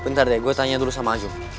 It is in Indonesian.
bentar deh gue tanya dulu sama aju